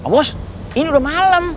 bos ini udah malem